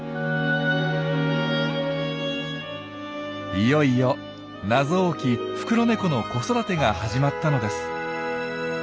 いよいよ謎多きフクロネコの子育てが始まったのです。